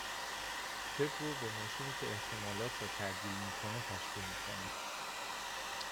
طب رو به ماشینی که احتمالات را تَعدیل میکنه تشبیه میکنه.